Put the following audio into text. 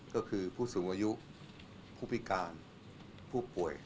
ก็คือผู้สูงอายุผู้พิการผู้ป่วย